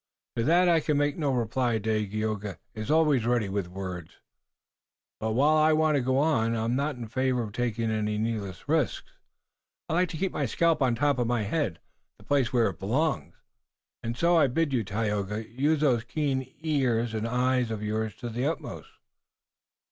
"To that I can make no reply. Dagaeoga is always ready with words." "But while I want to go on, I'm not in favor of taking any needless risks. I like to keep my scalp on top of my head, the place where it belongs, and so I bid you, Tayoga, use those keen eyes and ears of yours to the utmost."